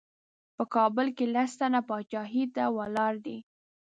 په کابل کې لس تنه پاچاهۍ ته ولاړ دي.